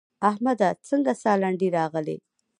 احمده څنګه سالنډی راغلې؟!